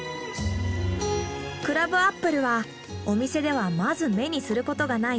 クラブアップルはお店ではまず目にすることがない